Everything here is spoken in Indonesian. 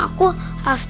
aku mau masuk